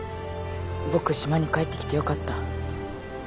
僕島に帰ってきてよかった。